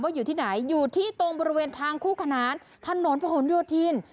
ว่าอยู่ที่ไหนอยู่ที่ตรงบริเวณทางคู่ขนาดถนนทพธน